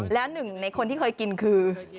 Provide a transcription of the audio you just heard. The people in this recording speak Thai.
แล้วหนึ่งในคนที่เคยกินคือ